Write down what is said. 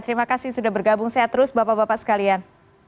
terima kasih sudah bergabung sehat terus bapak bapak sekalian